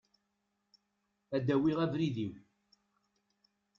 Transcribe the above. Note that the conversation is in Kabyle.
Ad awiɣ abrid-iw.